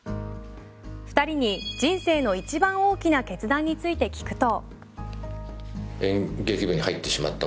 ２人に人生の一番大きな決断について聞くと。